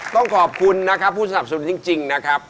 ต้องขอบคุณนะครับผู้สนับสนุนจริงนะครับ